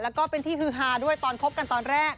แล้วก็เป็นที่ฮือฮาด้วยตอนคบกันตอนแรก